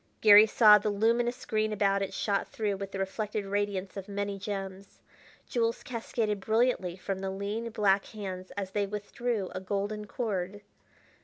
Garry saw the luminous green about it shot through with the reflected radiance of many gems. Jewels cascaded brilliantly from the lean black hands as they withdrew a golden cord.